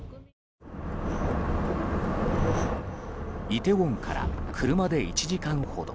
イテウォンから車で１時間ほど。